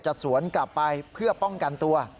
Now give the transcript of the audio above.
สวนกลับไปเพื่อป้องกันตัว